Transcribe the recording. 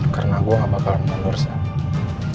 karena gue gak bakal menurut zainal